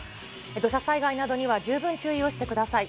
土砂災害などには十分注意してください。